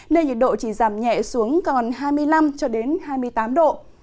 nên nhiệt độ chỉ giảm nhẹ xuống còn hai mươi năm cho đến hai mươi tám độ